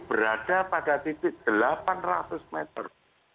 berada pada titik delapan ratus meter